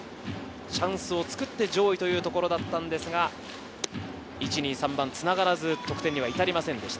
チャンスをつくって上位というところだったんですが、１、２、３番繋がらず、得点には至りませんでした。